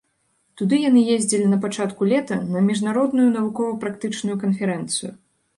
Туды яны ездзілі на пачатку лета на міжнародную навукова-практычную канферэнцыю.